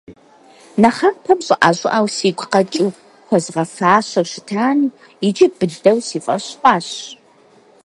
Нэхъапэм щӀыӀэ-щӀыӀэу сигу къэкӀыу, хуэзгъэфащэу щытами, иджы быдэу си фӀэщ хъуащ.